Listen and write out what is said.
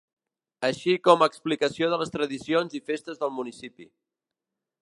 Així com explicació de les tradicions i festes del municipi.